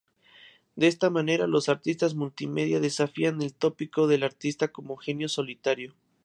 De esta manera, los artistas multimedia desafían el tópico del artista como genio solitario.